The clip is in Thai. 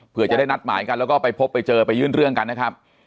เพื่อจะได้นัดหมายกันแล้วก็ไปพบไปเจอไปยื่นเรื่องกันนะครับ